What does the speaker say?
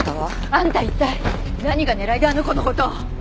あんた一体何が狙いであの子の事！